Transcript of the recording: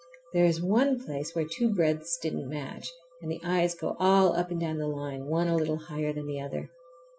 There is one place where two breadths didn't match, and the eyes go all up and down the line, one a little higher than the other.